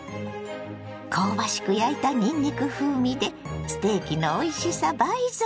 香ばしく焼いたにんにく風味でステーキのおいしさ倍増！